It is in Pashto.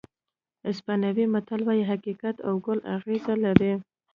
اسپانوي متل وایي حقیقت او ګل اغزي لري.